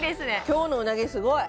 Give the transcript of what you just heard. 今日のうなぎすごい